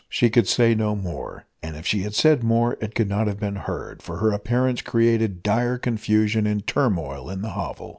She could say no more, and if she had said more it could not have been heard, for her appearance created dire confusion and turmoil in the hovel.